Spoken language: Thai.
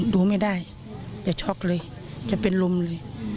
ดูไม่ได้จะช็อกเลยจะเป็นลมเลย